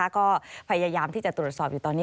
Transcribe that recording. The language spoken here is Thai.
ก็พยายามที่จะตรวจสอบอยู่ตอนนี้